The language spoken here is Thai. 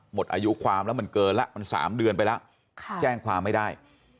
หมดอายุความแล้วมันเกินแล้วมัน๓เดือนไปแล้วแจ้งความไม่ได้